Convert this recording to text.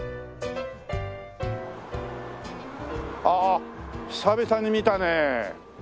ああ久々に見たね。